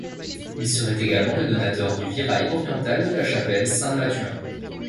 Il serait également le donateur du virail oriental de la chapelle Saint-Latuin.